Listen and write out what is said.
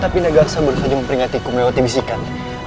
tapi negara saya baru saja memperingatiku melewati bisikan